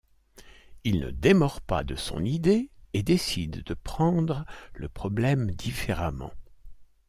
Il ne démord pas de son idée et décide de prendre le problème différemment.